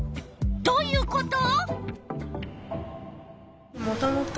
どういうこと？